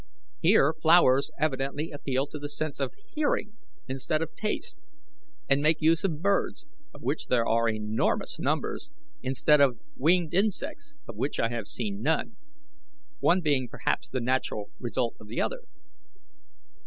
Here flowers evidently appeal to the sense of hearing instead of taste, and make use of birds, of which there are enormous numbers, instead of winged insects, of which I have seen none, one being perhaps the natural result of the other.